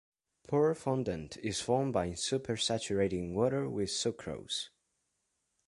Poured fondant is formed by supersaturating water with sucrose.